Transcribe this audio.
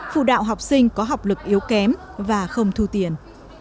phụ đạo học sinh có học lực yếu kém và không thu tiền